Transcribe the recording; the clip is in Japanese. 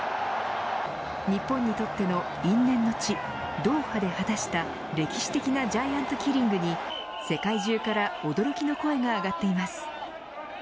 日本にとっての因縁の地ドーハで果たした、歴史的なジャイアントキリングに世界中から驚きの声が上がっています。